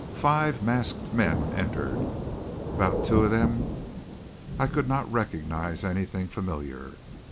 Five masked men entered. About two of them I could not recognize anything familiar.